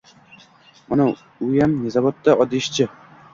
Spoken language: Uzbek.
Mana, uyam zavodda oddiy ishchi